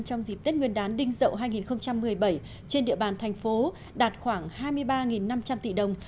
trong dịp tết nguyên đán đinh dậu hai nghìn một mươi bảy trên địa bàn thành phố đạt khoảng hai mươi ba năm trăm linh tỷ đồng